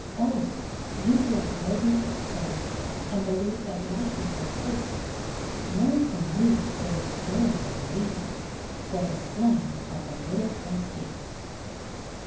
O! you who are burdened with sorrow, And believe that life is but fate, Learn from me there is joy in waiting For the slam of the little front gate.